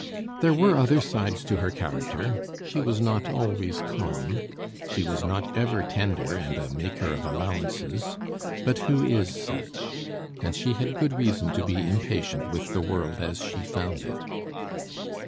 There were other sides to her character. She was not always calm. She was not ever tender and a maker of allowances. But who is such? And she had good reason to be impatient with the world as she found it.